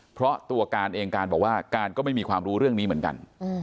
เพราะตัวการเองการบอกว่าการก็ไม่มีความรู้เรื่องนี้เหมือนกัน